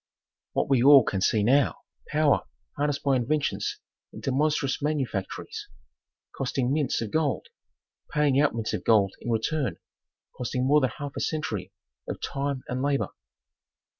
What we all can see now, power harnessed by inventions into monstrous manufactories, costing mints of gold, paying out mints of gold in return, costing more than half a century of time and labor.